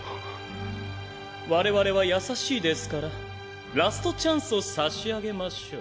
我々は優しいですからラストチャンスを差し上げましょう。